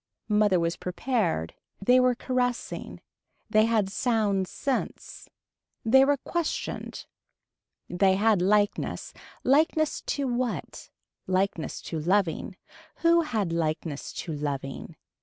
Mother was prepared. They were caressing. They had sound sense. They were questioned. They had likeness. Likeness to what. Likeness to loving. Who had likeness to loving.